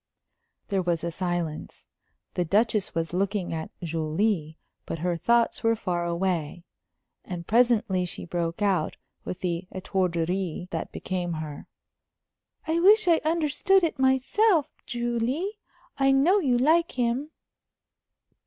There was a silence. The Duchess was looking at Julie, but her thoughts were far away. And presently she broke out, with the étourderie that became her: "I wish I understood it myself, Julie. I know you like him."